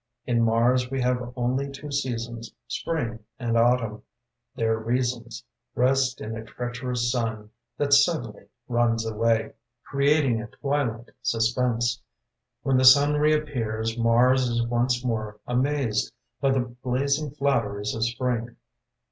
In Mars we have only two seasons, Spring and Autumn — their reasons Rest in a treacherous sun That suddenly runs away, Creating a twilight suspense. When the sun reappears Mars is once more amazed By the blazing flatteries of Spring.